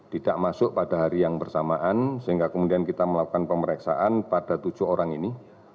tidak masuk pada hari yang bersamaan sehingga kemudian kita melakukan pemeriksaan pada tujuh orang ini